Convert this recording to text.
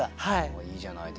いいじゃないですかね。